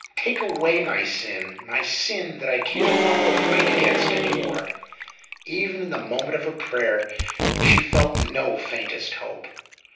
Take away my sin — my sin that I can't help or fight against an)' more !" Even in the moment of her prayer she felt no faintest hope.